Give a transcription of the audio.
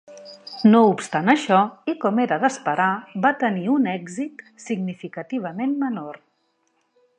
No obstant això i com era d'esperar, va tenir un èxit significativament menor.